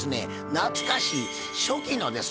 懐かしい初期のですね